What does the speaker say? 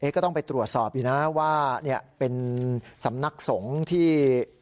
ก็ต้องไปตรวจสอบอยู่นะว่าเป็นสำนักสงฆ์ที่